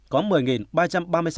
có một mươi ba trăm ba mươi sáu ca nhiễm